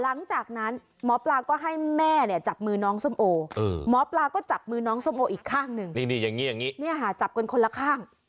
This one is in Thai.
หลังจากนั้นหมอปลาก็ให้แม่เนี่ยจับมือน้องส้มโอหมอปลาก็จับมือน้องส้มโออีกข้างหนึ่งนี่อย่างนี้จับกันคนละข้าง